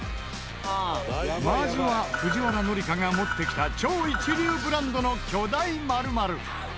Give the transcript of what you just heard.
まずは藤原紀香が持ってきた超一流ブランドの巨大○○。